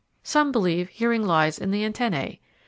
Some believe hearing lies in the antennae.